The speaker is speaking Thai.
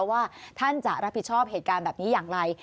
ว่าท่านจะรับผิดชอบเหตุการณ์แบบนี้อย่างไร